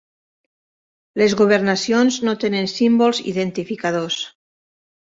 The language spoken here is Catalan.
Les governacions no tenen símbols identificadors.